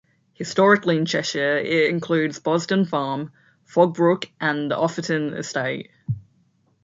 Historically in Cheshire, it includes Bosden Farm, Foggbrook and the Offerton Estate.